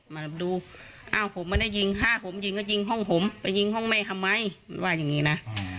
มาดูอ้าวผมไม่ได้ยิงฆ่าผมยิงก็ยิงห้องผมไปยิงห้องแม่ทำไมว่าอย่างนี้นะ